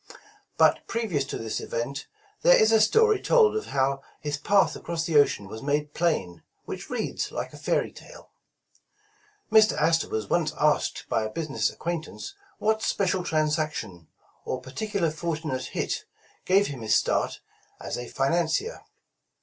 But previous tt, this event, 127 The Original John Jacob Astor there is a story told of how his path across the ocean was made plain, which reads like a fairy tale. Mr. Astor was once asked by a business acquaintance what special transaction, or particularly fortunate hit, gave him his start as a financier.